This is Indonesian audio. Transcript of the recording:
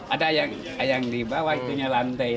ada yang di bawah itunya lantai